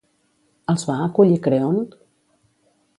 Els va acollir Creont?